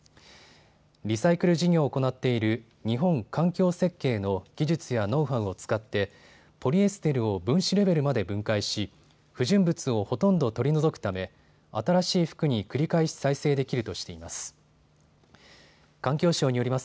リサイクル事業を行っている日本環境設計の技術やノウハウを使ってポリエステルを分子レベルまで分解し不純物をほとんど取り除くため新しい服に繰り返し再生できるとしています。